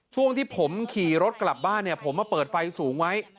ช่วงที่ผมขี่รถกลับบ้านเนี่ยผมมาเปิดไฟสูงไว้